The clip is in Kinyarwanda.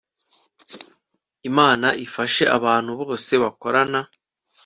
Imana ifashe abantu bose bakorana